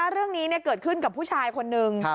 เรื่องนี้เกิดขึ้นกับผู้ชายคนนึง